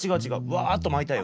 わっとまいたよ。